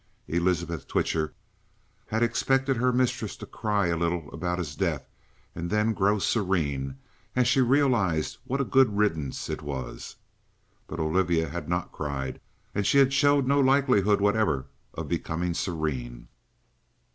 Elizabeth Twitcher had expected her mistress to cry a little about his death, and then grow serene as she realized what a good riddance it was. But Olivia had not cried, and she showed no likelihood whatever of becoming serene.